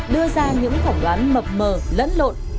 đưa ra những khỏng đoán mập mờ lẫn lộn